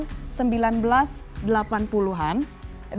dan roket terarah ini memiliki jangkauan dua lima meter